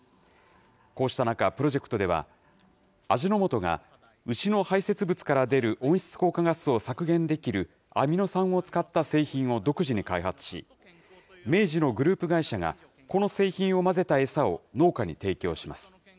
こうした中、プロジェクトでは、味の素が牛の排せつ物から出る温室効果ガスを削減できるアミノ酸を使った製品を独自に開発し、明治のグループ会社が、この製品を混ぜた餌を農家に提供します。